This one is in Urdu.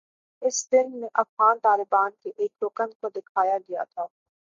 اس فلم میں افغان طالبان کے ایک رکن کو دکھایا گیا تھا